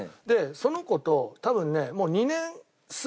その子と多分ね。